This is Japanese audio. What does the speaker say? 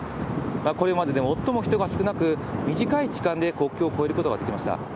これまでで最も人が少なく、短い時間で国境を越えることができました。